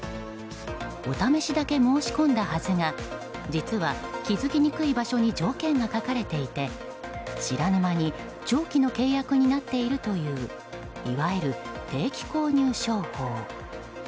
お試しだけ申し込んだはずが実は気づきにくい場所に条件が書かれていて知らぬ間に長期の契約になっているといういわゆる定期購入商法。